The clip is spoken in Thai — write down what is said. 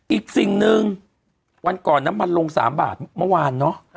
อีกสิ่งหนึ่งวันก่อนน้ำมันลง๓บาทเมื่อวานเนอะ